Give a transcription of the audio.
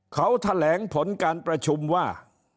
เขาแถลงผลการประชุมว่า